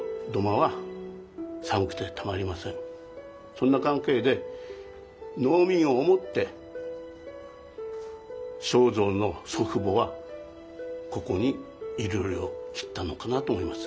そんな関係で農民を思って正造の祖父母はここにいろりを切ったのかなと思います。